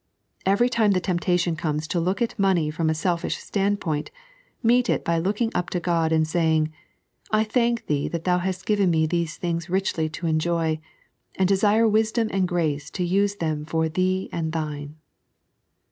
Every time the temptation comee to look at money from a seMsh standpoint, meet it by looking up to Ood and saying :" I thank Thee that Thou hast given me these things richly to enjoy, and desire wisdom and grace to use them for Thee and Thine."